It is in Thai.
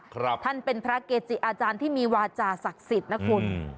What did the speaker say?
ท่านเป็นพระเกจิอาจารย์ที่มีวาจาศักดิ์สิทธิ์นะคุณ